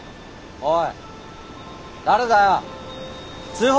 おい。